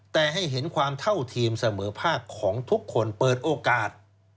แต่ให้เห็นความเท่าเทียมเสมอภาคของทุกคนเปิดโอกาส